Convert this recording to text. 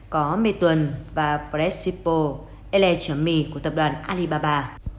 có mê tuần và presipo ele me của tập đoàn alibaba